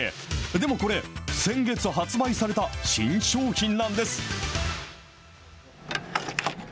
でもこれ、先月発売された新商品なんです。